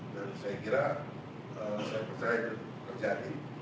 dan saya kira saya percaya itu terjadi